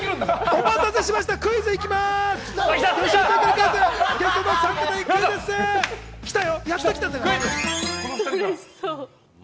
お待たせしました、クイズい来た！